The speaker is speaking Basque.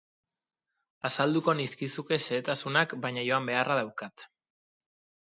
Azalduko nizkizuke xehetasunak baina joan beharra daukat.